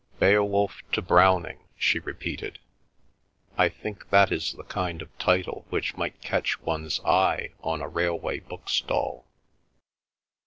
Beowulf to Browning," she repeated, "I think that is the kind of title which might catch one's eye on a railway book stall."